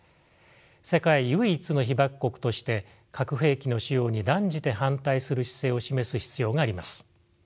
世界唯一の被爆国として核兵器の使用に断じて反対する姿勢を示す必要があります。